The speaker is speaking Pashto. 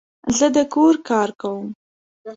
زه د کور کار کوم